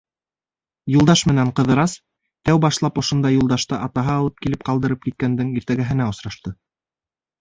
Юлдаш менән Ҡыҙырас тәү башлап ошонда Юлдашты атаһы алып килеп ҡалдырып киткәндең иртәгеһенә осрашты.